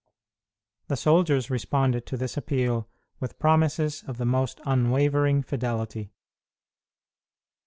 The soldiers responded to this appeal with promises of the most unwavering fidelity.